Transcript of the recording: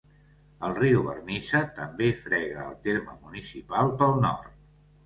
El riu Vernissa també frega el terme municipal pel nord.